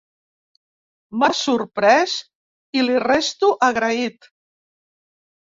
M'ha sorprès i li resto agraït.